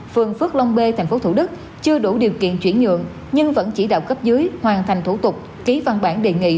phường phước long b tp thủ đức chưa đủ điều kiện chuyển nhượng nhưng vẫn chỉ đạo cấp dưới hoàn thành thủ tục ký văn bản đề nghị